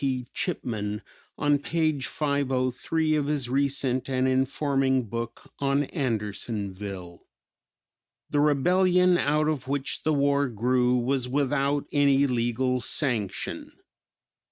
P. Chipman on page 503 of his recent and informing book on Andersonville: "The rebellion out of which the war grew was without any legal sanction.